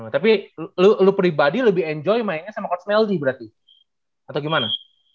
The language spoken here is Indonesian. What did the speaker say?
tapi lu pribadi lebih enjoy mainnya sama coach meldi berarti atau gimana